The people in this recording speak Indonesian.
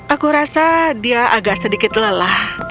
aku rasa dia agak sedikit lelah